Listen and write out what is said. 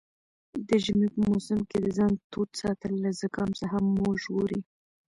د ژمي په موسم کې د ځان تود ساتل له زکام څخه مو ژغوري.